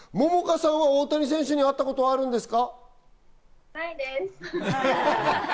さんは大谷選手に会ったことはあるんですか？